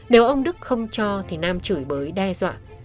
nếu ông đức không cho thì nam chửi bới đe dọa